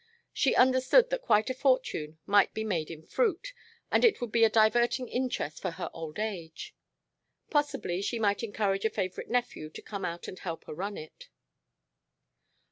She understood that quite a fortune might be made in fruit, and it would be a diverting interest for her old age. Possibly she might encourage a favorite nephew to come out and help her run it.